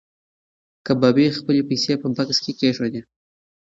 کبابي خپلې پیسې په بکس کې کېښودې.